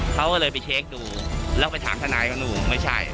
เขาก็เลยไปเช็คดูแล้วไปถามทนายก็ดูไม่ใช่